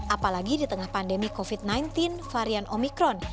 apalagi di tengah pandemi covid sembilan belas varian omikron